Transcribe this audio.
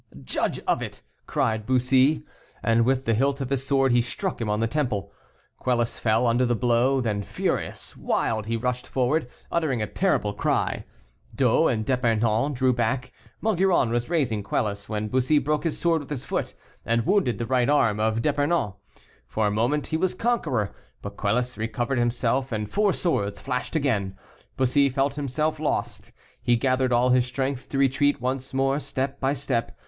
"Judge of it!" cried Bussy. And with the hilt of his sword he struck him on the temple. Quelus fell under the blow. Then furious wild, he rushed forward, uttering a terrible cry. D'O and D'Epernon drew back, Maugiron was raising Quelus, when Bussy broke his sword with his foot, and wounded the right arm of D'Epernon. For a moment he was conqueror, but Quelus recovered himself, and four swords flashed again. Bussy felt himself lost. He gathered all his strength to retreat once more step by step.